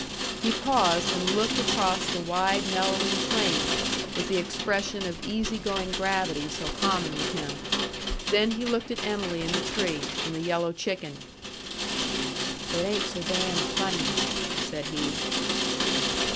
He paused, and looked across the wide, mellowing plain with the expression of easy going gravity so common with him. Then he looked at Em'ly in the tree and the yellow chicken. "It ain't so damned funny," said he.